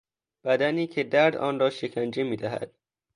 بدنی که درد آن را شکنجه میدهد